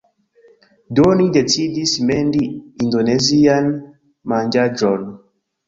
Do, ni decidis mendi indonezian manĝaĵon